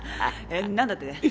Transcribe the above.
え何だって？